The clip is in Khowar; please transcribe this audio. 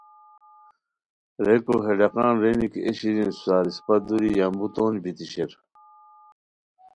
ریکو ہے ڈاقان رینی کی اے شیرین اسپڅار اسپہ دوری یامبو تونج بیتی شیر